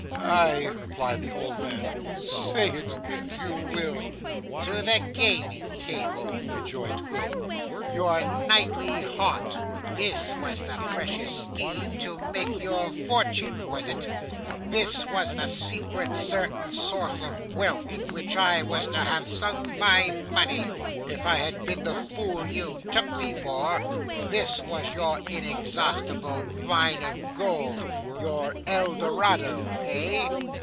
'Aye!' replied the old man, 'say it, if you will.' 'To the gaming table,' rejoined Quilp, 'your nightly haunt. This was the precious scheme to make your fortune, was it; this was the secret certain source of wealth in which I was to have sunk my money (if I had been the fool you took me for); this was your inexhaustible mine of gold, your El Dorado, eh?